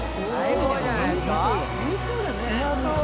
うまそう！